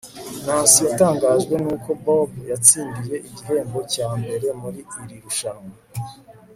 nancy yatangajwe nuko bob yatsindiye igihembo cya mbere muri iri rushanwa